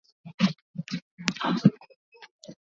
ni waziri ndio bwana wiliam lukuvi kwa hiyo